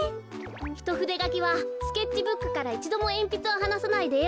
ひとふでがきはスケッチブックからいちどもえんぴつをはなさないでえをかくんですよね。